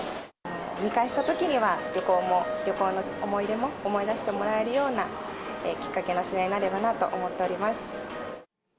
見返したときには、旅行も、旅行の思い出も、思い出してもらえるような、きっかけの品になればなと思っております。